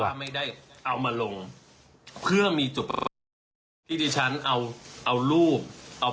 ว่าไม่ได้เอามาลงเพื่อมีจุดประสงค์ที่ดิฉันเอาเอารูปเอา